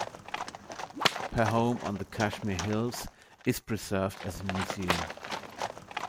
Her home on the Cashmere Hills is preserved as a museum.